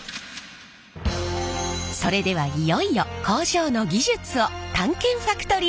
それではいよいよ工場の技術を探検ファクトリー！